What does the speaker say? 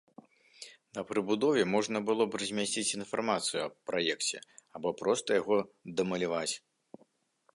На прыбудове можна было б размясціць інфармацыю аб праекце або проста яго дамаляваць.